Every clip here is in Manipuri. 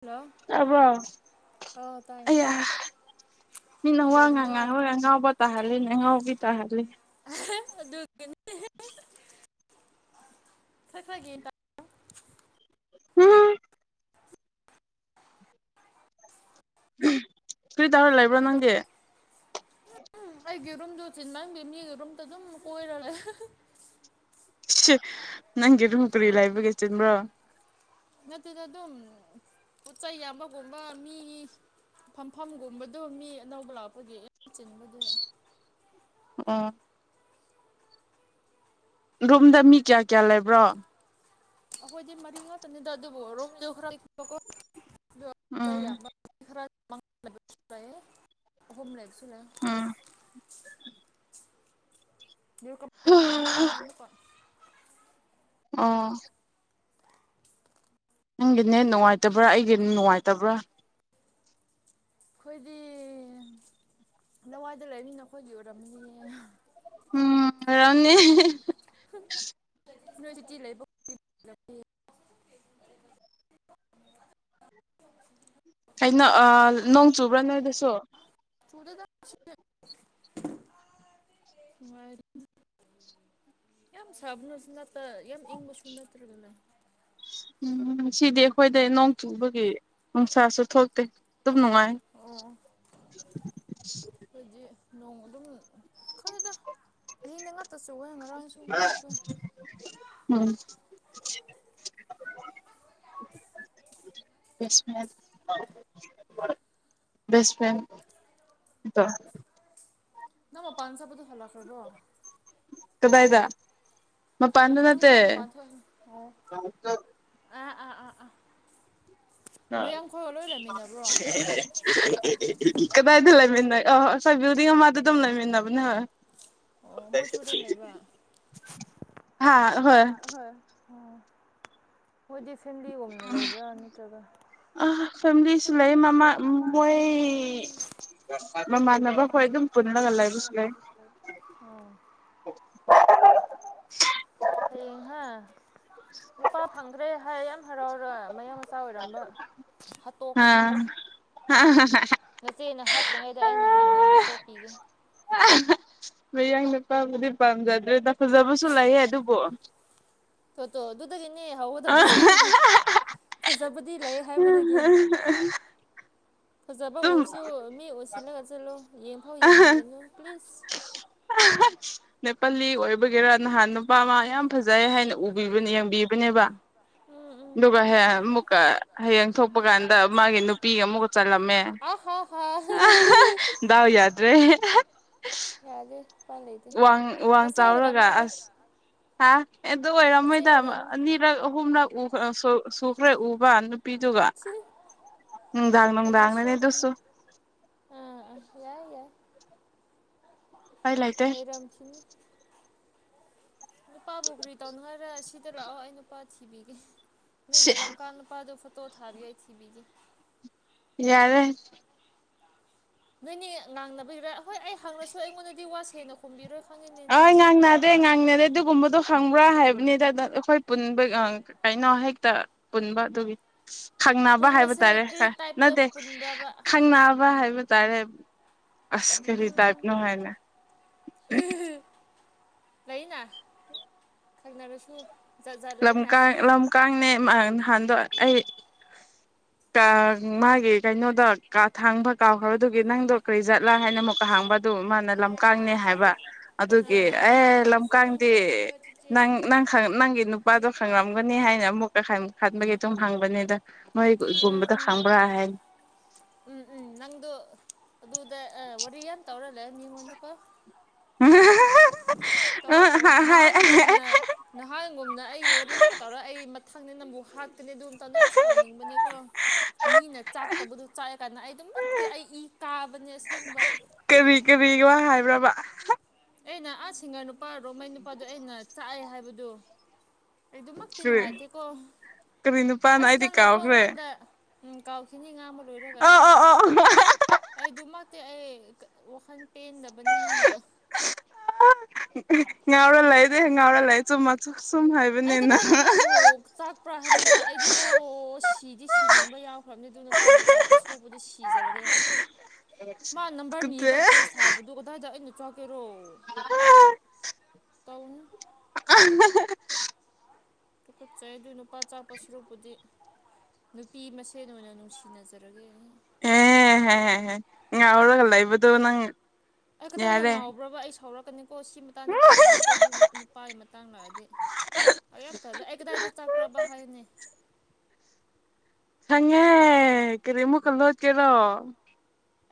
ꯍꯜꯂꯣ ꯑꯕꯣ ꯑꯥꯎ ꯑ ꯇꯥꯏꯌꯦ ꯃꯤꯅ ꯋꯥ ꯀꯩꯗꯧꯔꯤꯅꯣ ꯉꯉꯥꯡꯣꯏ ꯑ ꯉꯥꯎꯕ ꯇꯥꯍꯜꯂꯤꯅꯦ ꯑ ꯉꯥꯎꯕꯤ ꯇꯥꯍꯜꯂꯤ ꯑꯗꯨ ꯐꯒ ꯍ ꯀꯔꯤ ꯇꯧꯔ ꯂꯩꯕ꯭ꯔꯣ ꯅꯪꯒꯤ ꯎꯝ ꯑꯩꯒꯤ ꯔꯨꯝꯗꯣ ꯆꯤꯟ ꯅꯪꯗꯤ ꯃꯤꯒꯤ ꯔꯨꯝꯗ ꯑꯗꯨꯝ ꯀꯣꯏꯔ ꯂꯩ ꯅꯪꯒꯤ ꯔꯣꯡ ꯀꯨꯔꯤ ꯂꯥꯏꯕꯒ ꯆꯤꯟꯕ꯭ꯔꯣ ꯑꯗꯨꯠꯇꯗ ꯑꯗꯨꯝ ꯄꯣꯠ ꯆꯩꯩ ꯌꯥꯝꯕꯒꯨꯝꯕ ꯃꯤ ꯐꯝꯐꯝꯒꯨꯝꯕꯗ ꯃꯤ ꯑꯅꯧꯕ ꯂꯥꯛꯄꯒꯤ ꯌꯥꯝ ꯆꯤꯟꯕꯗꯤ ꯑꯣ ꯔꯨꯝꯗ ꯃꯤ ꯀꯌꯥ ꯀꯌꯥ ꯂꯩꯕ꯭ꯔꯣ ꯑꯩꯈꯣꯏꯗꯤ ꯃꯔꯤ ꯉꯥꯛꯇꯅꯤꯗ ꯑꯗꯨꯕꯨ ꯔꯨꯝꯁꯨ ꯈꯔꯣ ꯎꯝ ꯈꯔ ꯂꯩ ꯍꯣꯨꯝꯂꯁꯨꯂ ꯎꯝ ꯌ ꯀ ꯎꯝ ꯑꯥ ꯅꯪꯒꯤꯅꯦ ꯅꯨꯡꯉꯥꯏꯇꯕ꯭ꯔꯥ ꯑꯩꯒꯤ ꯅꯨꯡꯉꯥꯏꯇꯕ꯭ꯔꯥ ꯑꯩꯈꯣꯏꯗꯤ ꯅꯋꯥꯏꯗ ꯂꯩꯅꯤꯅ ꯑꯩꯈꯣꯏꯒꯤ ꯑꯣꯏꯔꯝꯃꯤꯅꯤꯌꯦ ꯎꯝ ꯔꯥꯎꯅꯤ ꯌꯨꯅꯤꯚꯔꯁꯤꯇꯤ ꯂꯩꯕ ꯑꯩꯅ ꯅꯣꯡ ꯆꯨꯕ꯭ꯔꯥ ꯅꯣꯏꯗꯁꯨ [unintelligible] ꯅꯨꯡꯉꯥꯏ ꯌꯥꯝ ꯁꯥꯕꯅꯁꯨ ꯉꯇ ꯌꯥꯝ ꯏꯪꯕꯁꯨ ꯅꯠꯇ꯭ꯔꯦꯗꯅ ꯎꯝ ꯁꯤꯗꯤ ꯑꯩꯈꯣꯏꯗ ꯅꯣꯡ ꯆꯨꯕꯒꯤ ꯅꯨꯡꯁꯥꯁꯨ ꯊꯣꯛꯇꯦ ꯑꯗꯨꯝ ꯅꯨꯡꯉꯥꯏ ꯑꯣ ꯑꯩꯈꯣꯏꯗꯤ ꯅꯣꯡ ꯑꯗꯨꯝ ꯈꯔꯗ ꯉꯇꯠꯁꯨ ꯉꯔꯥꯡꯁꯨ ꯉꯁꯨ [unintelligible] [unintelligible] ꯕꯦꯁ ꯐ꯭ꯔꯦꯟ [unintelligible] ꯅꯪ ꯃꯄꯥꯥꯟ ꯆꯠꯄꯗꯨ ꯍꯜꯂꯛꯈ꯭ꯔꯕꯣ ꯀꯗꯥꯏꯗ ꯃ ꯄꯥꯟꯗ ꯅꯪ ꯅꯠꯇ ꯉꯁꯥꯏ ꯃꯄꯥꯟ ꯊꯣꯛꯏ ꯑꯣ ꯑꯥ ꯑꯥ ꯑꯥ ꯑꯥ ꯃꯌꯥꯝꯡ ꯈꯣꯏꯒ ꯂꯣꯏ ꯂꯩꯃꯤꯟꯅꯕ꯭ꯔꯣ ꯀꯗꯥꯏꯗ ꯂꯩꯃꯤꯟꯅ ꯑꯣꯏ ꯑꯁꯥꯏ ꯕꯤꯜꯗꯤꯡ ꯑꯃꯗ ꯑꯗꯨꯝ ꯂꯩꯃꯤꯟꯅꯕꯅꯦ ꯍꯣꯏ ꯑꯣ ꯃꯣꯏꯁꯨꯗꯨꯝ ꯂꯩꯕ ꯍꯥ ꯍꯣꯏ ꯑꯣ ꯍꯣꯏꯗꯤ ꯐꯦꯃꯤꯂꯤꯒꯣꯝꯅ ꯂꯩꯕ꯭ꯔꯥ ꯅꯠꯇ꯭ꯔꯒ ꯐꯦꯝꯁꯤꯁꯨ ꯂꯩ ꯃꯃꯥ ꯃꯣꯏ [unintelligible] ꯃ ꯃꯥ ꯈꯣꯏ ꯃꯗ ꯑꯗꯨꯝ ꯍꯣꯏ ꯄꯨꯜꯂꯒ ꯂꯩꯕꯁꯨ ꯑꯗꯨꯝꯄꯅꯒꯜꯂ ꯂꯩ ꯑꯗꯨꯁꯀ ꯍꯌꯦꯡꯍ ꯅꯨꯄꯥ ꯐꯪꯈ꯭ꯔꯦ ꯍꯥꯏ ꯌꯥꯝ ꯍꯔꯥꯎꯔꯣꯏ ꯃꯌꯥꯝ ꯑꯆꯥ ꯑꯣꯏꯔꯝꯕ ꯑ ꯍꯥꯠꯇꯣꯛꯀꯅꯤ ꯈꯪꯉꯤ ꯅꯆꯦꯅ ꯍꯥꯠꯇ꯭ꯔꯤꯉꯩꯗ ꯑꯩꯅ ꯍꯥꯟꯅ ꯍꯥꯠꯇꯣꯛꯄꯤꯒꯦ ꯃꯌꯥꯡ ꯅꯨꯄꯥꯕꯨꯗꯤ ꯄꯥꯝꯖꯗ꯭ꯔꯦ ꯇ ꯐꯖꯕꯁꯨ ꯂꯩꯌꯦ ꯑꯗꯨꯕꯨ ꯐꯣꯇꯣ ꯑꯗꯨꯗꯒꯤꯅꯦ ꯍꯧꯒꯗꯕꯁꯦ ꯐꯖꯕꯗꯤ ꯂꯩ ꯍꯥꯏꯕꯗꯒꯤ ꯐꯖꯕ ꯑꯗꯨꯝ ꯎꯔꯁꯨ ꯃꯤ ꯑꯣꯏꯁꯤꯜꯂꯒ ꯆꯠꯂꯣ ꯌꯦꯡꯐꯥꯎ ꯌꯦꯡꯕꯤꯒꯅꯨ ꯄ꯭ꯂꯤꯖ ꯅꯦꯄꯥꯂꯤ ꯑꯣꯏꯕꯒꯦꯔꯥ ꯅꯍꯥꯟ ꯅꯨꯄꯥ ꯑꯃ ꯌꯥꯝ ꯐꯖꯩ ꯍꯥꯏꯅ ꯎ ꯌꯦꯡꯕꯤꯕꯅꯦꯕ ꯎꯝ ꯎꯝ ꯑꯗꯨꯒ ꯑꯃꯨꯛꯀ ꯍꯌꯦꯡ ꯊꯣꯜꯄ ꯀꯥꯟꯗ ꯃꯥꯒꯤ ꯅꯨꯄꯤꯒ ꯑꯃꯨꯛꯀ ꯆꯜꯂꯝꯃꯦ ꯑ ꯗꯥꯎ ꯌꯥꯗ꯭ꯔꯦ [unintelligible] ꯌꯥꯗꯦ ꯂꯩꯇꯦ ꯋꯥꯡ ꯃꯆꯦ ꯑꯣꯏꯔꯝꯅꯤꯗ ꯍꯥꯥ ꯑꯦꯗ ꯑꯣꯏ ꯃꯆꯦ ꯑꯣꯏꯔꯝꯅꯤ ꯔꯃꯣꯏꯗꯅꯤꯔꯛ ꯍꯅ ꯎ ꯁ ꯄꯨꯔ ꯎꯕ ꯅꯨꯄꯤꯗꯨꯒ ꯁꯤ ꯅꯨꯡꯗꯥꯡ ꯅꯨꯡꯗꯥꯡꯅꯅꯦ ꯑꯗꯨꯁꯨ ꯎꯝ ꯌꯥꯏ ꯌꯥꯏ ꯀꯥꯏꯂꯩꯇꯦ [unintelligible] ꯅꯨꯄꯥꯕꯨ ꯀ꯭ꯔꯤ ꯇꯧꯅꯤꯡꯉꯥꯏꯔ ꯁꯤꯗ ꯂꯥꯛꯑꯣ ꯑꯩ ꯅꯨꯄꯥ ꯊꯤꯕꯤꯒꯦ ꯅꯪꯒꯤ ꯁꯤ ꯂꯝꯀꯥ ꯅꯨꯄꯥꯗꯣ ꯇꯣ ꯊꯥꯔꯤꯏ ꯊꯤꯕꯤꯒꯤ ꯌꯥꯔꯦ ꯅꯣꯏꯅꯦ ꯉꯥꯡꯅꯕꯒꯤꯔ ꯍꯍꯣꯏ ꯑꯩ ꯍꯪꯉꯁꯨ ꯑꯩꯉꯣꯟꯗꯗꯤ ꯋꯥ ꯁꯦꯅ ꯀꯨꯝꯕꯤꯔꯣꯏ ꯈꯪꯉꯤꯅꯤ [unintelligible] ꯉꯥꯡꯅꯔꯦ ꯑꯗꯨꯒꯨꯝꯕꯗꯣ ꯈꯪꯕ꯭ꯔꯥ ꯍꯥꯏꯕꯅꯤꯗ ꯑꯩꯈꯣꯏ ꯄꯨꯟꯕ ꯀꯩꯅꯣ ꯍꯦꯛꯇ ꯄꯨꯟꯕ ꯑꯗꯨꯒꯤ ꯈꯪꯅꯕ ꯍꯥꯏꯕ ꯄꯨꯟꯕꯁꯦ ꯇꯥꯔꯦ ꯀꯔꯤ ꯇꯥꯏꯞꯇ ꯅꯠꯇꯦ ꯄꯨꯟꯕ꯭ꯔꯕ ꯈꯪꯅꯕ ꯍꯥꯏꯕ ꯇꯥꯏꯔꯦ ꯑꯁꯀ ꯇꯥꯏꯞꯅ ꯍꯥꯏꯅ ꯂꯩꯅ ꯈꯪꯡꯅꯔꯁꯨ ꯂꯝ ꯂꯝꯀꯅꯦ ꯅꯍꯥꯟꯗꯣ ꯑꯩ [unintelligible] ꯃꯥꯒꯤ ꯀꯩꯅꯣꯗ ꯀꯥ ꯊꯥꯡꯕ ꯀꯥꯎꯈ꯭ꯔꯕꯗꯨꯒꯤ ꯅꯪꯗꯣ ꯀꯔꯤꯖꯠꯂꯥ ꯍꯥꯏꯅ ꯑꯃꯨꯛ ꯍꯥꯡꯕ ꯑꯗꯨ ꯃꯥꯅ ꯂꯝꯀꯅꯦ ꯍꯥꯏꯕ ꯑꯗꯨꯒꯤ ꯑꯦ ꯑꯩꯕꯨꯁꯨ ꯂꯝꯀꯥꯡꯗꯤ ꯔꯤꯃꯨꯚꯔ ꯄꯤꯌꯣ ꯆꯤꯆꯦ ꯅꯪ ꯅꯪ ꯅꯪꯒꯤ ꯅꯨꯄꯥꯗꯣ ꯂꯩꯇ꯭ꯔꯦ ꯈꯪꯂꯝꯝꯒꯅꯤ ꯍꯥꯏꯅ ꯑꯃꯨꯛꯀ ꯈꯟꯕꯒꯤ ꯑꯗꯨꯝ ꯍꯪꯕꯅꯤꯗ ꯃꯣꯏ ꯎꯝ ꯒꯨꯝꯕꯗ ꯎꯝ ꯈꯪꯕ꯭ꯔꯥ ꯍꯥꯏ ꯎꯝ ꯎꯝ ꯅꯪꯗꯣ ꯑꯗꯨꯗ ꯋꯥꯔꯤ ꯌꯥꯝ ꯇꯧꯔꯂꯦ ꯃꯤꯉꯣꯟꯗꯀꯣ [unintelligible] ꯇꯧꯋꯣ ꯇꯧꯋꯣ ꯅꯍꯥꯟꯒꯨꯝꯅ ꯅꯍꯥꯟꯒꯨꯝꯅ ꯑꯩ ꯋꯥꯔꯤ ꯑꯃꯨꯛꯀ ꯇꯧꯔ ꯑꯩ ꯃꯊꯪꯅꯤ ꯅꯪꯕꯨ ꯍꯥꯠꯀꯅꯤ ꯑꯗꯨꯝ ꯇꯟꯗ ꯌꯥꯝ ꯁꯥꯎꯅꯤꯡꯕꯅꯦꯀꯣ ꯃꯤꯅ ꯆꯥꯛꯇꯕꯗꯨ ꯆꯥꯛꯑꯦ ꯀꯟꯅ ꯑꯩ ꯑꯗꯨꯝꯃꯛꯇꯤ ꯑꯩ ꯏ ꯀꯥꯕꯅꯦ ꯑꯁꯦꯡꯕ ꯀꯕꯤ ꯀꯕꯤꯒꯤ ꯋꯥ ꯍꯥꯏꯕ꯭ꯔꯕ ꯑꯩꯅ ꯑꯥ ꯁꯤꯡꯒꯔ ꯅꯨꯄꯥ ꯔꯣꯃꯩ ꯅꯨꯄꯥꯗꯣ ꯑꯩꯅ ꯆꯥꯛꯑꯦ ꯍꯥꯏꯕꯗꯨ ꯑꯩꯗꯨꯃꯛꯇꯤ ꯀꯔꯤ ꯅꯨꯡꯉꯥꯏꯇꯦꯀꯣ ꯀꯔꯤ ꯅꯨꯄꯥꯅ ꯑꯁ ꯑꯩꯗꯤ ꯅꯪꯅ ꯀꯥꯎꯈ꯭ꯔꯦ ꯈꯣꯡꯉꯣꯟꯗ ꯎꯝ ꯀꯥꯎꯈꯤꯅꯤ ꯉꯥꯡꯕ ꯂꯣꯏꯔꯒ ꯑꯣ ꯑꯣ ꯑꯣ ꯑꯩ ꯗꯨꯃꯛ ꯇꯦꯑꯩ ꯀ ꯋꯥꯈꯟ ꯄꯦꯟꯗꯕꯅꯦ ꯅꯪꯕꯨ ꯑꯥ ꯉꯥꯎꯔ ꯂꯩꯔꯦ ꯉꯥꯎꯔ ꯂꯩꯠ ꯆꯨꯝ ꯃꯛꯁꯨ ꯆꯨꯝ ꯑꯩ ꯍꯥꯏꯕꯅꯤꯅ ꯀꯗꯥꯏꯗ ꯃꯥꯕꯨ ꯆꯥꯛꯄ꯭ꯔꯥ ꯍꯥꯏꯝꯅꯤꯗ ꯑꯩꯗꯤ ꯀꯣ ꯁꯤꯗꯤ ꯁꯤꯅꯤꯡꯕ ꯌꯥꯎꯈ꯭ꯔꯝꯅꯤ ꯑꯗꯨ ꯅꯨꯄꯥꯕꯨ ꯆꯥꯞ ꯁꯔꯨꯕꯨꯗꯤ ꯁꯤꯖꯔꯒꯦ ꯃꯥ ꯅꯝꯕꯔꯅꯤꯔ ꯇꯦꯛꯁ ꯊꯥꯕꯗꯣ ꯑꯗꯥꯏꯗ ꯑꯩꯅ ꯆꯥꯛꯀꯦꯔꯣ ꯇꯧꯅꯨ ꯑꯍꯍ ꯄꯨꯈꯠꯆꯩꯗꯨꯏ ꯅꯨꯄꯥ ꯆꯥꯛꯄ ꯁꯨꯔꯨꯛꯄꯨꯗꯤ ꯅꯨꯄꯤ ꯃꯁꯦꯟ ꯑꯣꯏꯅ ꯅꯨꯡꯁꯤꯅꯖꯔꯒꯦ ꯑꯦ ꯍꯦ ꯍꯦ ꯍꯦ ꯉꯥꯎꯔꯒ ꯂꯩꯕꯗꯣ ꯅꯪ ꯑꯩ ꯀꯗꯥꯏꯗ ꯌꯥꯔꯦ ꯉꯥꯎꯕ꯭ꯔꯕ ꯑꯩ ꯁꯥꯎꯔꯛꯀꯅꯤꯀꯣ ꯁꯤ ꯃꯇꯥꯡꯗꯤ ꯐꯒꯤ ꯅꯠꯇꯦ ꯑꯗꯨꯝꯕ ꯅꯨꯄꯥꯒꯤ ꯃꯇꯥꯡ ꯂꯥꯛꯑꯗꯤ ꯑꯩ ꯌꯥꯝ ꯇꯜꯂꯦ ꯑꯩ ꯀꯗꯥꯏꯗ ꯆꯛꯄ꯭ꯔꯕ ꯍꯥꯏꯌꯨꯅꯦ ꯈꯪꯉꯦ ꯀꯔꯤ ꯑꯃꯨꯛꯀ ꯂꯣꯠꯀꯦꯔꯣ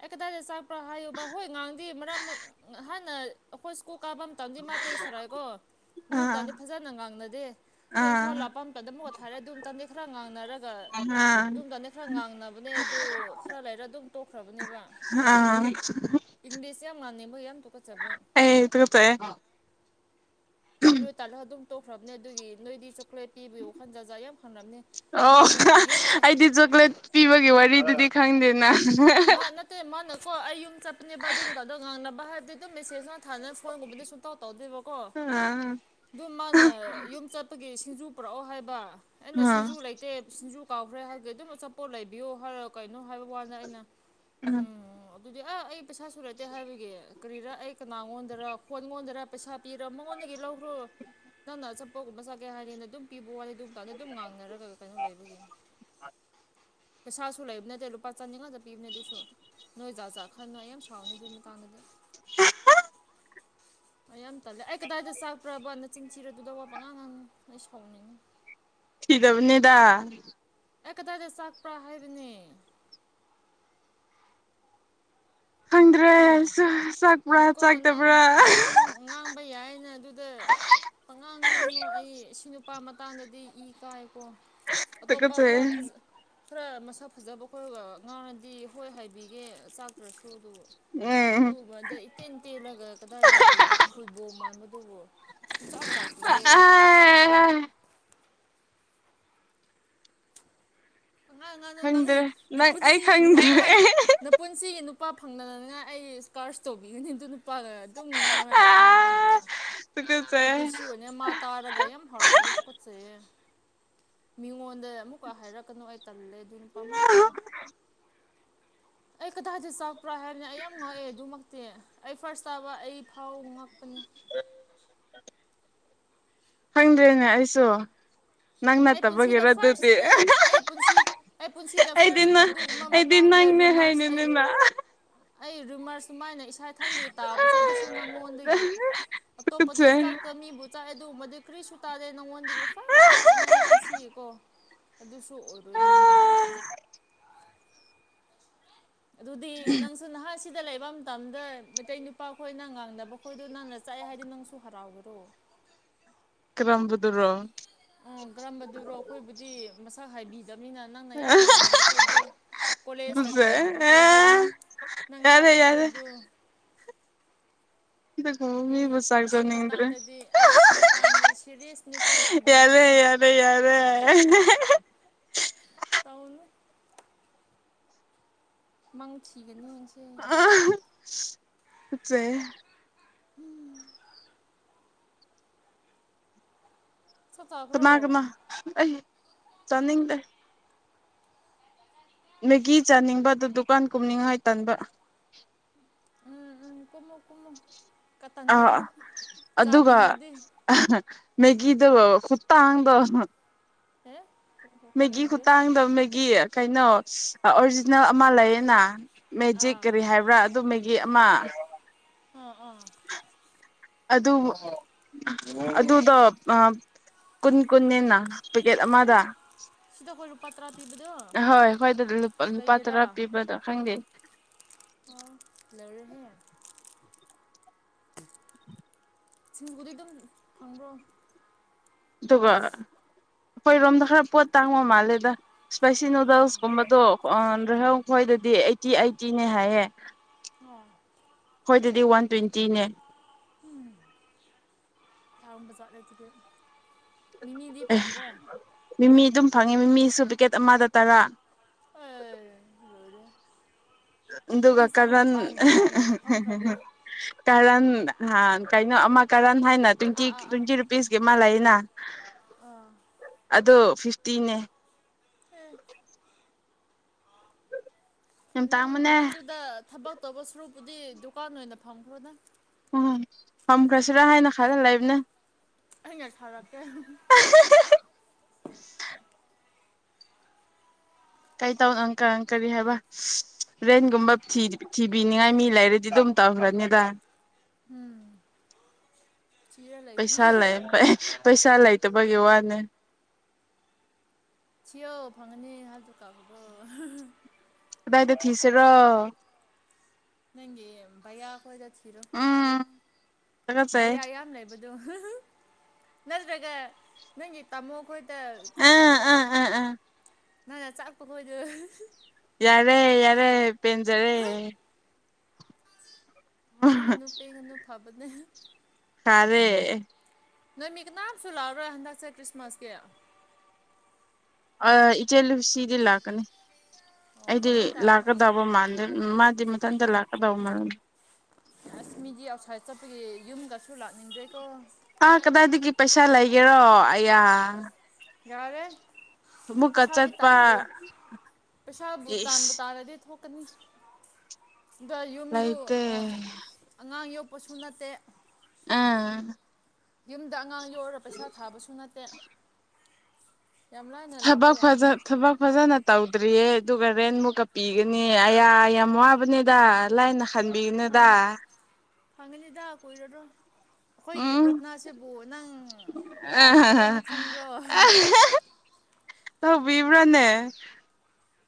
ꯑꯦ ꯀꯗꯥꯏꯗ ꯆꯥꯛꯄ꯭ꯔꯥ ꯍꯥꯏꯌꯨꯕ ꯍꯣꯏ ꯉꯥꯟꯗꯤ ꯃꯔꯛ ꯑꯃ ꯉꯍꯥꯟꯅ ꯑꯈꯣꯏ ꯁ꯭ꯀꯨꯜ ꯀꯥꯕꯝ ꯇꯝꯗꯤ ꯃꯥ ꯇꯦꯛꯁ ꯊꯔꯛꯑꯦꯒꯣ ꯑꯗꯨ ꯑꯥ ꯇꯝꯗꯤ ꯐꯖꯅ ꯉꯥꯡꯅꯗꯦ ꯑꯗꯣ ꯏꯝꯐꯥꯜ ꯑꯥ ꯂꯥꯛꯄꯝ ꯑꯗ ꯃꯨꯛ ꯊꯔꯦ ꯑꯗꯨꯝ ꯇꯪꯗꯤ ꯈꯔ ꯉꯥꯡꯅꯔꯛ ꯑꯥ ꯑꯗꯨꯝ ꯇꯅꯦ ꯈꯔ ꯉꯥꯡꯅꯕꯅꯦ ꯑꯗꯨ ꯈꯔ ꯂꯩꯔ ꯑꯗꯨꯝ ꯇꯣꯛ ꯅꯦꯕ ꯑꯥ ꯏꯪꯂꯤꯁ ꯌꯥꯝ ꯉꯥꯡꯅꯦꯕꯒꯤ ꯌꯥꯝ ꯇꯨꯀꯆꯕ ꯑꯩ ꯇꯨꯀꯠꯆꯩꯌꯦ ꯑ ꯂꯨ ꯇꯥꯜꯂꯣ ꯑꯗꯨꯝ ꯇꯣꯛꯈ꯭ꯔꯕꯅꯦ ꯑꯗꯨꯒꯤ ꯅꯣꯏꯗꯤ ꯆꯣꯀ꯭ꯂꯦꯠ ꯄꯤꯕꯩ ꯋꯥꯈꯟ ꯖꯖꯥ ꯌꯥꯝ ꯍꯪꯅꯝꯅꯦ ꯃꯥꯅ ꯌꯨꯝ ꯆ ꯗꯤ ꯆꯣꯀ꯭ꯂꯦꯠ ꯄꯤꯕꯒꯤ ꯋꯥꯔꯤꯗꯨꯗꯤ ꯈꯪꯗꯦꯅ ꯃꯥ ꯅꯠꯇꯦ ꯃꯥꯅꯀꯣ ꯑꯩ ꯌꯨꯝ ꯆꯠꯄꯅꯦꯕ ꯑꯗꯨꯝ ꯇꯗ ꯉꯥꯡꯅꯕ ꯍꯥꯏꯕꯗꯤ ꯑꯗꯨꯝ ꯃꯦꯁꯦꯖ ꯉꯠ ꯊꯥꯅ ꯐꯣꯟꯒꯨꯝꯕꯗꯤ ꯁꯨꯡꯇꯧ ꯇꯧꯗꯦꯕꯀꯣ ꯑꯥ ꯑꯗꯨ ꯃꯥꯅ ꯌꯨꯝ ꯆꯠꯄꯒꯤ ꯁꯤꯡꯖꯨ ꯄꯨꯔꯛꯑꯣ ꯍꯥꯏꯕ ꯑꯩꯅ ꯑꯥ ꯁꯤꯡꯖꯨ ꯂꯩꯠ ꯇꯦ ꯁꯤꯡꯖꯨ ꯀꯥꯎꯈ꯭ꯔꯦ ꯍꯥꯏꯕꯒꯤ ꯑꯗꯨꯝ ꯑꯆꯥꯄꯣꯠ ꯂꯩꯕꯤꯌꯣ ꯍꯥꯏꯔ ꯀꯩꯅꯣ ꯍꯥꯏꯕ ꯋꯥꯅ ꯑꯩꯅ ꯎꯝ ꯑꯗꯨꯗꯤ ꯑ ꯑꯩ ꯄꯩꯁꯥ ꯁꯨ ꯂꯩꯇꯦ ꯍꯥꯏꯕꯒꯤ ꯀꯔꯤꯔꯥ ꯑꯩ ꯀꯅꯥꯒꯣꯟꯗꯔ ꯈꯣꯟꯉꯣꯟꯗꯔ ꯄꯩꯁꯥ ꯄꯤꯔ ꯃꯉꯣꯟꯗꯒꯤ ꯂꯧꯈ꯭ꯔꯣ ꯅꯪꯅ ꯆꯞ ꯀꯣꯒꯨꯝꯕ ꯆ ꯀꯦ ꯍꯥꯏꯔꯤꯅ ꯑꯗꯨꯝ ꯄꯤꯕ ꯋꯥꯠꯂꯦ ꯑꯗꯨꯝ ꯇꯥꯟꯗ ꯑꯗꯨꯝ ꯉꯥꯡꯅꯔꯒ ꯀꯩꯅꯣ ꯂꯩꯕꯒꯤꯟ ꯄꯩꯁꯥꯁꯨ ꯂꯩꯕ ꯅꯠꯗꯦ ꯂꯨꯄꯥ ꯆꯥꯅꯤꯡꯉꯛꯇꯟ ꯄꯤꯕꯅꯦ ꯗꯨꯁꯨ ꯅꯣꯏ ꯖꯥ ꯖꯥ ꯈꯟꯅꯣ ꯑꯩ ꯌꯥꯝ ꯁꯥꯎꯅꯤ ꯑꯗꯨ ꯃꯇꯥꯡꯗꯨꯗꯤ ꯎꯝ ꯑꯩ ꯌꯥꯝ ꯇꯜꯂꯦ ꯑꯩ ꯀꯗꯥꯏꯗ ꯆꯥꯛꯄꯔꯥꯕ ꯅꯆꯤꯟꯊꯤꯔ ꯋꯥ ꯄꯉꯥꯡ ꯉꯥꯡ ꯅꯨ ꯑꯩ ꯁꯥꯎꯅꯤꯡꯉꯤ ꯊꯤꯗꯕꯅꯦꯗ ꯑꯦ ꯀꯗꯥꯏꯗ ꯆꯥꯛꯄ꯭ꯔꯥ ꯍꯥꯏꯕꯅꯦ ꯈꯪꯗ꯭ꯔꯦ ꯍꯥ ꯑꯩꯁꯨ ꯆꯥꯛꯄ꯭ꯔꯥ ꯑꯗꯨꯗꯨꯀꯣ ꯅꯪ ꯆꯥꯛꯇꯕ꯭ꯔꯥ ꯉꯥꯡ ꯉꯥꯡꯕ ꯌꯥꯏꯌꯦꯅ ꯑꯗꯨꯗ ꯄꯉꯥꯡ ꯉꯥꯡꯅꯣ ꯑꯩ ꯁꯤ ꯅꯨꯄꯥ ꯃꯇꯥꯡꯗꯗꯤ ꯏ ꯀꯥꯏꯀꯣ ꯑꯇꯣꯞꯄ ꯈꯔ ꯇꯨꯀꯠꯆꯩꯌꯦ ꯐꯖ ꯈꯔ ꯃꯁꯛ ꯐꯖꯕ ꯈꯣꯏꯒ ꯉꯥꯡꯔꯗꯤ ꯍꯣꯏ ꯍꯥꯏꯕꯤꯒꯦ ꯆꯥꯛꯇ꯭ꯔꯁꯨ ꯑꯗꯨ ꯎꯝ ꯑꯗꯨꯝꯕ ꯑꯗꯩ ꯇꯦꯟ ꯇꯦꯜꯂꯒ ꯀꯗꯥꯏꯗꯒꯤ ꯐꯨꯠꯕꯣꯜ ꯃꯥꯟꯕꯗꯨꯕꯨ ꯆꯥꯛꯄꯤꯗꯦ ꯑꯩ ꯑꯥꯏ ꯉꯥꯡ ꯉꯥꯡꯅꯣ ꯅꯪ ꯈꯪꯗ꯭ꯔꯦ ꯅꯪ ꯑꯩ ꯅꯄꯨꯟꯁꯤꯒꯤ ꯈꯪꯗ꯭ꯔꯦ ꯅꯄꯨꯟꯁꯤꯒꯤ ꯅꯨꯄꯥ ꯐꯪꯅꯅꯉꯥꯏ ꯑꯩ ꯏꯁ꯭ꯀꯥꯔꯁ ꯇꯧꯕꯤꯒꯅꯤ ꯑꯗꯨ ꯅꯨ ꯅꯨꯄꯥꯒ ꯑꯗꯨꯝ ꯉꯥꯡꯔ ꯂꯩꯔꯣ ꯅꯪ ꯑꯩꯕꯨ ꯑꯥ ꯑꯩ ꯇꯨꯀꯠꯆꯩꯌꯦ ꯄꯨꯟꯁꯤ ꯃꯥ ꯇꯥꯔꯒ ꯌꯥꯝ ꯍꯔꯥꯎꯔꯅꯤ ꯇꯨꯀꯠꯆꯩꯌꯦ ꯃꯤꯉꯣꯟ ꯑꯗꯩ ꯑꯃꯨꯛꯀ ꯍꯥꯏꯔꯛꯀꯅꯨ ꯑꯩ ꯇꯜꯂꯦ ꯑꯗꯨ ꯅꯨꯄꯥꯃꯛꯇꯦ ꯑꯩ ꯀꯗꯥꯏꯗ ꯆꯥꯛꯄ꯭ꯔꯥ ꯍꯥꯏꯕꯅꯤ ꯑꯩ ꯌꯥꯝ ꯉꯛꯑꯦ ꯑꯗꯨꯃꯛꯇꯤ ꯑꯩ ꯐꯥꯔꯁ ꯇꯥꯕ ꯑꯩ ꯐꯥꯎ ꯉꯛꯄꯅꯤ ꯑꯦ ꯈꯪꯗꯦꯅꯦ ꯑꯩꯁꯨ ꯅꯪ ꯑꯩ ꯄꯨꯟꯁꯤꯗ ꯅꯠꯇꯕꯒꯤꯔ ꯑꯗꯨꯗꯤ ꯐꯥꯔꯁꯅꯦ ꯑꯩ ꯄꯨꯟꯁꯤ ꯑꯩ ꯄꯨꯟꯁꯤꯗ ꯑꯩꯗꯤ ꯐꯥꯔꯁꯅꯦ ꯅꯪ ꯑꯗꯨꯒꯨꯝꯕ ꯑꯩꯗꯤ ꯃꯇꯥꯡꯗ ꯅꯪꯅꯦ ꯔꯨꯃꯔꯁ ꯑꯩ ꯍꯥꯏꯅꯤꯅ ꯑꯩ ꯔꯨꯃꯔꯁ ꯁꯨꯃꯥꯏꯅ ꯏꯁꯥ ꯊꯟꯒꯤ ꯇꯥꯕꯁꯦ ꯑꯗꯨ ꯁꯨꯝ ꯅꯪꯉꯣꯟꯗꯒꯤ ꯑꯇꯣꯞꯄꯗꯤ ꯇꯨꯀꯠꯆꯩ ꯆꯥꯛꯀꯕꯨ ꯆꯥꯏ ꯑꯗꯨꯒꯨꯝꯕꯗꯤ ꯀꯔꯤꯁꯨ ꯇꯥꯗꯦ ꯅꯉꯣꯟꯗꯒꯤ ꯐꯥꯔꯁ ꯇꯥꯕꯅꯦ ꯑꯩ ꯄꯨꯟꯁꯤꯒꯤꯀꯣ ꯑꯗꯨꯁꯨ ꯑꯣꯏꯔꯣꯏꯗꯕ ꯑꯗꯨꯗꯤ ꯅꯪꯁꯨ ꯅꯍꯥꯟ ꯁꯤꯗ ꯂꯩꯕ ꯃꯇꯝꯗ ꯃꯩꯇꯩ ꯅꯨꯄꯥꯈꯣꯏꯅ ꯉꯥꯡꯅꯕ ꯍꯣꯏꯗꯣ ꯅꯪꯅ ꯆꯥꯛꯑꯦ ꯍꯥꯏꯗꯤ ꯅꯪꯁꯨ ꯍꯔꯥꯎꯕꯔꯣ ꯀꯔꯝꯕꯗꯨꯔꯣ ꯑꯣ ꯀꯔꯝꯕꯗꯨꯔꯣ ꯑꯩꯈꯣꯏꯕꯨꯗꯤ ꯃꯁꯛ ꯍꯥꯏꯕꯤꯗꯕꯅꯤꯅ ꯅꯪꯅ ꯌꯥꯝ ꯉꯥꯡꯅꯕ ꯈꯣꯏꯗꯨ ꯀꯣꯂꯦꯖꯀ ꯇꯨꯀꯠꯆꯩ ꯊꯤꯟꯕꯤꯕꯈꯣꯏꯗꯨ ꯅꯪ ꯌꯥꯔꯦ ꯆꯥꯛꯄ ꯌꯥꯔꯦ ꯈꯣꯏꯗꯨ ꯏ ꯑꯩ ꯑꯁꯤ ꯍꯃꯤꯕꯨꯁꯒꯖꯅꯤꯗ꯭ꯔꯦ ꯃꯇꯥꯡꯗꯗꯤ ꯑꯩ ꯁꯤ ꯃꯇꯥꯡꯗꯤ ꯁꯦꯔꯤꯌꯁꯅꯤꯀꯣ ꯐꯥꯒꯤ ꯌꯥꯗꯦ ꯅꯠꯇꯦ ꯌꯥ [unintelligible] ꯂꯩ ꯌꯥꯗ [unintelligible] ꯇꯧꯅꯣ ꯃꯪ ꯊꯤꯒꯅꯤꯍꯁꯦ ꯇꯨꯒꯠꯆꯩꯌꯦ ꯎꯝ ꯆꯥꯛ ꯆꯥꯈ꯭ꯔꯣ ꯀꯥꯅ ꯀꯥꯅ ꯑꯩ ꯆꯅꯤꯡꯗꯦ ꯃꯦꯒꯤ ꯆꯥꯅꯤꯡꯕ ꯑꯗꯨ ꯗꯨꯀꯥꯟ ꯀꯨꯝꯅꯤꯡꯉꯥꯏ ꯇꯟꯥꯟꯕ ꯎꯝ ꯎꯝ ꯀꯨꯝꯃꯨ ꯀꯨꯝꯃꯨ ꯀꯇꯟꯒꯅ ꯆꯥꯅꯤꯡꯕꯗꯤ ꯃꯦꯒꯤꯗꯕꯥ ꯈꯨꯇꯥꯡꯗ ꯍꯥ ꯃꯦꯒꯤ ꯈꯨꯇꯥꯡꯗ ꯃꯦꯒꯤ ꯀꯩꯅꯣ ꯑꯣꯔꯤꯖꯤꯅꯦꯜ ꯑꯃ ꯂꯩꯌꯦꯅ ꯃꯦꯖꯤꯛ ꯑꯥ ꯀꯔꯤ ꯍꯥꯏꯕ꯭ꯔꯥ ꯑꯗꯨꯝꯕꯒꯤ ꯑꯃ ꯑꯥ ꯑꯥ ꯑꯥ ꯑꯗꯨ ꯑꯗꯨꯗꯣ ꯀꯨꯟ ꯀꯨꯟꯅꯅꯤꯅ ꯄꯦꯀꯦꯠ ꯑꯦ ꯑꯃꯗ ꯁꯤꯗ ꯑꯩꯈꯣꯏ ꯂꯨꯄꯥ ꯇꯔꯥ ꯄꯤꯕꯗꯣ ꯑꯍꯣꯏ ꯑꯩꯈꯣꯏꯗ ꯂꯨꯄꯥ ꯀꯩꯒꯤꯔꯥ ꯇꯔꯥ ꯄꯤꯕꯗꯣ ꯈꯪꯗꯦ ꯑꯣ ꯂꯧꯧꯔꯦꯍꯦ ꯁꯤꯡꯕꯨꯗꯤ ꯑꯗꯨꯝ ꯐꯪꯕ꯭ꯔꯣ ꯑꯗꯨꯒ ꯑꯩꯈꯣꯏꯔꯣꯝꯗ ꯈꯔ ꯄꯣꯠ ꯇꯥꯡꯕ ꯃꯥꯜꯂꯦꯗ ꯏꯁꯄꯥꯏꯁꯤ ꯅꯨꯗꯜꯁꯀꯨꯝꯕꯗꯣ ꯔꯦꯍꯧ ꯈꯣꯏꯗꯗꯤ ꯑꯩꯠꯇꯤ ꯑꯩꯠꯇꯤꯅꯦ ꯍꯥꯏꯌꯦ ꯎꯝ ꯍꯣꯏ ꯑꯗꯨꯗꯤ ꯋꯥꯟ ꯇ꯭ꯋꯦꯟꯇꯤꯅꯦ ꯑꯔꯕ ꯆꯥꯠꯂꯦꯁꯤꯗꯤꯦ ꯃꯤꯅꯤꯗꯤ ꯐꯪꯗ꯭ꯔꯦ ꯃꯤꯃꯤ ꯑꯗꯨꯝ ꯐꯪꯉꯦ ꯃꯤꯃꯤꯁꯨ ꯄꯤꯀꯦꯠ ꯑꯃꯗ ꯇꯔꯥ ꯑꯣ ꯑꯗꯨꯒ ꯀꯔꯟ ꯀꯔꯟ ꯀꯩꯅꯣ ꯑꯃ ꯀꯔꯟ ꯍꯥꯏꯅ ꯇ꯭ꯋꯦꯟꯇꯤ ꯇ꯭ꯋꯦꯟꯇꯤ ꯄꯤꯁꯀꯤ ꯃꯥ ꯂꯩꯅ ꯑꯗꯨ ꯐꯤꯐꯇꯤꯅꯦ ꯎꯝ ꯌꯥꯝ ꯅꯪ ꯇꯥꯡꯕꯅꯦ ꯅꯪꯗꯨꯗ ꯊꯕꯛ ꯇꯧꯕ ꯁꯨꯔꯨꯄꯨꯗꯤ ꯗꯨꯀꯥꯟ ꯑꯣꯏꯅ ꯐꯪꯈ꯭ꯔꯣ ꯅꯪ ꯎꯝ ꯐꯝꯈ꯭ꯔꯁꯤꯔ ꯍꯥꯏꯅ ꯈꯜꯂ ꯂꯩꯕꯅꯦ ꯑꯩꯩꯅ ꯁꯥꯎꯔꯛꯀꯦ ꯀꯩꯇꯧꯅꯣꯪꯀꯪ ꯀꯔꯤ ꯍꯥꯏꯕ ꯔꯦꯟꯒꯨꯝꯕ ꯊꯤꯕꯤꯅꯤꯡꯉꯥꯏ ꯃꯤ ꯂꯩꯔꯗꯤ ꯑꯗꯨꯝ ꯇꯧ꯭ꯔꯅꯤꯗ ꯄꯩꯁꯥ ꯂꯩ ꯄꯩꯁꯥ ꯂꯩꯇꯕꯒꯤ ꯋꯥꯅꯦ ꯊꯤꯌ ꯐꯪꯉꯅꯤ ꯍꯜ ꯇꯨꯀꯥꯈꯕꯨ ꯗ ꯏꯗ ꯊꯁꯦꯔ ꯅꯪꯒꯤ ꯌꯥ ꯍꯣꯏꯗꯁꯤꯤꯔꯣ ꯎꯝ ꯇꯒꯠꯆꯩ ꯕꯩꯌꯥ ꯌꯥꯝ ꯂꯩꯕꯗꯣ ꯅꯠꯇ꯭ꯔꯒ ꯅꯪꯒꯤ ꯇꯥꯃꯣ ꯈꯣꯏ ꯀꯣꯠꯇꯧꯕ ꯑꯥ ꯍꯧꯔꯣ ꯑꯥ ꯑꯥ ꯑꯥ ꯅꯪꯅ ꯆꯥꯛꯄ ꯈꯣꯏꯗ ꯌꯥꯔꯦ ꯌꯥꯔꯦ ꯄꯦꯟꯖꯔꯦ ꯄꯒꯅꯨ ꯄꯦꯡꯒꯅꯨ ꯊꯕꯅꯦ ꯈꯔꯦ ꯅꯣꯏ ꯃꯤ ꯀꯅꯥꯝꯁꯨꯨ ꯂꯥꯎꯔꯣꯏ ꯍꯟꯗꯛꯁꯦ ꯈ꯭ꯔꯤꯁꯃꯥꯁꯀꯤ ꯏꯆꯦ ꯂꯨꯁꯤꯗꯤ ꯂꯥꯛꯀꯅꯤ ꯑꯩꯗꯤ ꯂꯥꯛ ꯇꯕ ꯃꯥꯟꯗ ꯎ ꯃꯥꯗꯤ ꯃꯊꯗ ꯂꯥꯛꯀꯗꯕ ꯃꯥ ꯑꯁ ꯃꯤꯗꯤ ꯑꯥꯎꯠꯁꯥꯏꯗ ꯆꯠꯄꯒꯤ ꯌꯨꯝꯒꯁꯨ ꯂꯥꯛꯅꯤꯡꯗ꯭ꯔꯦꯀꯣ ꯇꯥꯛ ꯀꯗꯥꯏꯗꯒꯤ ꯄꯩꯁꯥ ꯂꯩꯒꯦꯔꯣ ꯑꯌꯥ ꯌꯥꯔꯦ ꯑꯃꯨꯛꯀ ꯄ꯭ꯔꯁꯥꯗꯤ ꯆꯠꯄ ꯇꯥꯟꯕꯨ ꯄ꯭ꯔꯁꯥꯕꯨ ꯇꯥꯟꯕꯨ ꯏꯁ ꯇꯔꯗꯤ ꯊꯣꯛ ꯗ ꯌꯨꯝꯗꯨ ꯂꯩꯇꯦ ꯑꯣ ꯑꯉꯥꯡ ꯌꯣꯛꯄꯁꯨ ꯅꯠꯇꯦ ꯑꯥ ꯌꯨꯝꯗ ꯑꯉꯥꯡ ꯌꯧꯔꯒ ꯄꯩꯁꯥ ꯊꯥꯕꯁꯨ ꯅꯠꯇꯦ ꯌꯥꯝ ꯂꯥꯏꯅ ꯂꯥꯛꯄ ꯊꯕꯛ ꯐꯖ ꯌꯥꯏꯗ ꯊꯕꯛ ꯐꯖꯅ ꯇꯧꯗ꯭ꯔꯤꯌꯦ ꯑꯗꯨꯒ ꯔꯦꯟꯃꯨꯛꯀ ꯄꯤꯒꯅꯤ ꯑꯌꯥ ꯌꯥꯝ ꯋꯥꯕꯅꯤꯗ ꯂꯥꯏꯅ ꯈꯟꯕꯤꯅꯨꯗ ꯐꯪꯉꯥꯅꯤꯗ ꯀꯨꯏꯔꯥꯔꯣꯏꯗꯣ ꯑꯩꯈꯣꯏꯒꯤ ꯎꯝ ꯄ꯭ꯔꯊꯅꯥꯁꯤꯕꯨ ꯅꯪ ꯇꯥꯕꯤꯔꯣꯏꯅ ꯑꯥ ꯈꯟꯕ꯭ꯔꯣ ꯇꯧ ꯕꯤꯕ꯭ꯔꯅꯦ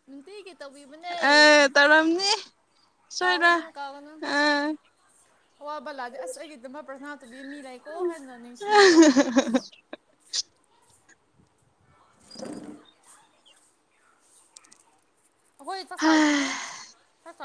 ꯅꯨꯡꯇꯤꯒꯤ ꯇꯧꯕꯤꯕꯅꯦ ꯑ ꯇꯧꯔꯝꯅꯤ ꯁꯣꯏꯔꯣꯏ ꯀꯥꯎꯒꯅꯨ ꯀꯥꯎꯒꯅꯨ ꯑ ꯑꯣꯋꯥꯕꯂꯥꯛꯑꯗꯤ ꯑꯁ ꯑꯩꯒꯤꯗꯨꯃꯛ ꯄ꯭ꯔꯁꯅꯥ ꯇꯧꯕꯤ ꯃꯤ ꯂꯩꯀꯣ ꯍꯥꯏꯅ ꯅꯤꯡꯁꯤꯡꯖꯧ [unintelligible] ꯍꯥꯏ [unintelligible] ꯆꯥꯛ